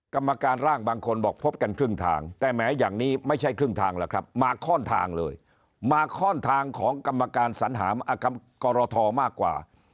กรรมการร่างบางคนบอกพบกันครึ่งทางแต่แม้อย่างนี้ไม่ใช่ครึ่งทางแล้วครับมาข้อนทางเลยมาข้อนทางของกรรมการสัญหากรทมากกว่า